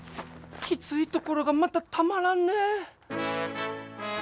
きついところがまたたまらんね。